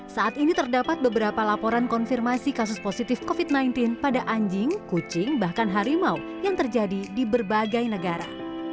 saat ini terdapat beberapa laporan konfirmasi kasus positif covid sembilan belas pada anjing kucing bahkan harimau yang terjadi di berbagai negara